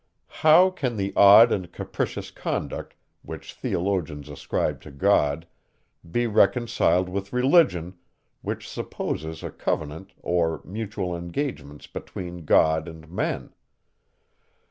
How can the odd and capricious conduct, which theologians ascribe to God, be reconciled with religion, which supposes a covenant, or mutual engagements between God and men?